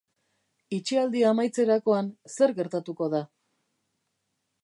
Itxialdia amaitzerakoan zer gertatuko da?